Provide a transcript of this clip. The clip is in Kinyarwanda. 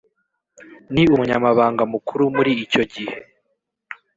Ni Umunyamabanga Mukuru Muri icyo gihe